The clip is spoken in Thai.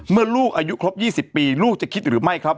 ลูกอายุครบ๒๐ปีลูกจะคิดหรือไม่ครับ